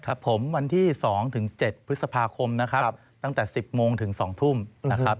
ครับผมวันที่๒ถึง๗พฤษภาคมนะครับตั้งแต่๑๐โมงถึง๒ทุ่มนะครับ